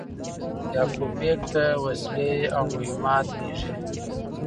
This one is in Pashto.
یعقوب بېګ ته وسلې او مهمات لېږي.